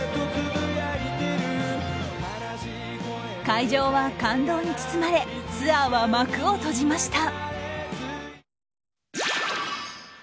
会場は感動に包まれツアーは幕を閉じました。